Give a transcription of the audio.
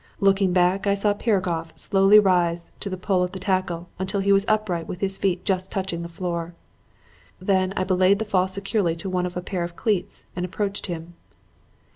Looking back, I saw Piragoff slowly rise to the pull of the tackle until he was upright with his feet just touching the floor. Then I belayed the fall securely to one of a pair of cleats, and approached him.